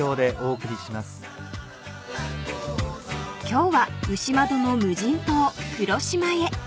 ［今日は牛窓の無人島黒島へ］